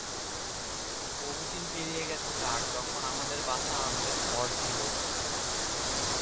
বহুদিন পেরিয়ে গেছে তার যখন আমাদের বাসা আমাদের ঘর ছিল।